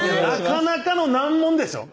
なかなかの難問でしょ？